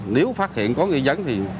nếu phát hiện có nghi dấn thì